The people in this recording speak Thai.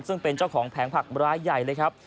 ซึ่งเป็นเจ้าของแผงผักรายใหญ่เลยครับ